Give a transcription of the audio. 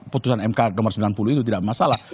putusan mk nomor sembilan puluh itu tidak masalah